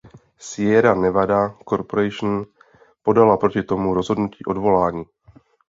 Sierra Nevada Corporation podala proti tomu rozhodnutí odvolání.